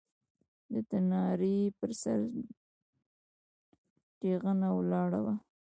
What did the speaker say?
د تنارې پر سر تېغنه ولاړه وه.